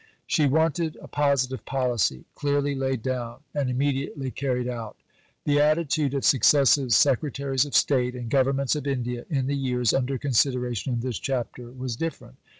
She wanted a positive policy, clearly laid down and immediately carried out. The attitude of successive Secretaries of State and Governments of India in the years under consideration in this chapter was different.